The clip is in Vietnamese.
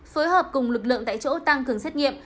phối hợp cùng lực lượng tại chỗ tăng cường xét nghiệm